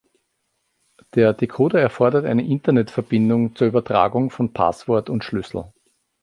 Der Dekoder erfordert eine Internetverbindung zur Übertragung von Passwort und Schlüssel.